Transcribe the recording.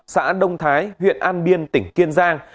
xã đông thái huyện an biên tỉnh kiên giang